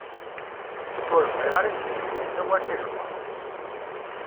Ur bɣiɣ ara ad ikes umeksa war tajewwaqt.